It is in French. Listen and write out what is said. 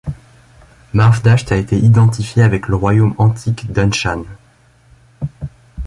Marvdasht a été identifié avec le royaume antique d'Anshan.